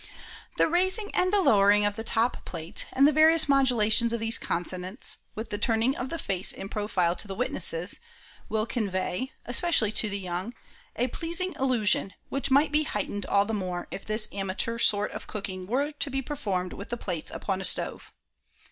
The raising and the lowering of the top plate, and the various modulations of these consonants, with the turning of the face in profile to the witnesses, will convey — especially to the young — a pleasing illu sion, which might be heightened all the more if this amateur sort of cooking were to be performed with the plates upon a stove.